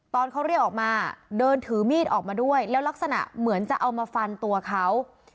ตอนเขาเรียกออกมาเดินถือมีดออกมาด้วยแล้วลักษณะเหมือนจะเอามาฟันตัวเขา